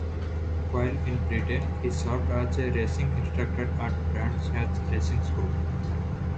While in Britain he served as a racing instructor at Brands Hatch racing school.